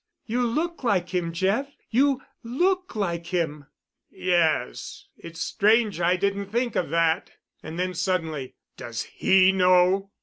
You look like him, Jeff. You look like him." "Yes—it's strange I didn't think of that." And then suddenly, "Does he know?"